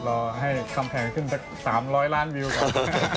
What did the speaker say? รอให้คำแข่งขึ้นจาก๓๐๐ล้านวิวก่อน